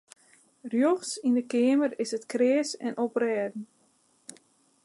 Rjochts yn de keamer is it kreas en oprêden.